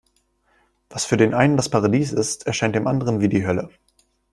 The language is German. Was für den einen das Paradies ist, erscheint dem anderem wie die Hölle.